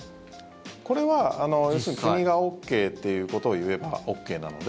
これは要するに国がＯＫということを言えばＯＫなので。